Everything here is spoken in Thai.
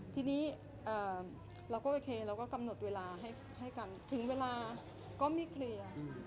ทีนี้เราก็โอเคเราก็กำหนดเวลาให้กันถึงเวลาก็ไม่เคลียร์